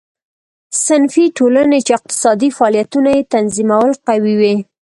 صنفي ټولنې چې اقتصادي فعالیتونه یې تنظیمول قوي وې.